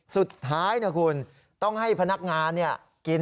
สุดท้ายนะคุณต้องให้พนักงานกิน